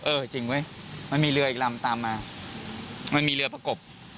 เออจริงเว้ยมันมีเรืออีกลำตามมามันมีเรือประกบ